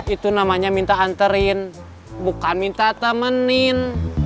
itu namanya minta anterin bukan minta temenin